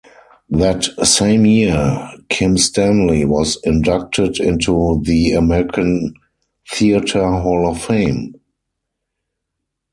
That same year, Kim Stanley was inducted into the American Theatre Hall of Fame.